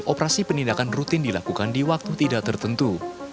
operasi penindakan rutin dilakukan di waktu tidak tertentu